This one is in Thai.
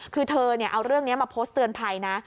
คือเธอเอาเรื่องนี้มาโพสต์เตือนภัยนะ